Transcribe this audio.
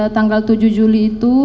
tanggal tujuh juli itu